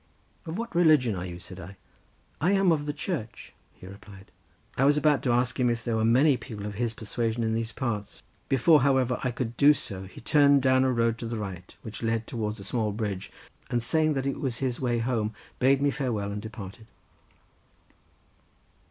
"Of what religion are you?" said I. "I am of the Church," he replied. I was about to ask him if there were many people of his persuasion in these parts; before, however, I could do so he turned down a road to the right which led towards a small bridge, and saying that was his way home, bade me farewell and departed.